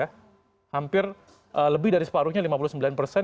hampir lebih dari separuhnya lima puluh sembilan persen